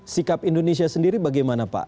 sikap indonesia sendiri bagaimana pak